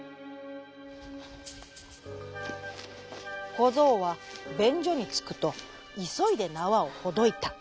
こぞうはべんじょにつくといそいでなわをほどいた。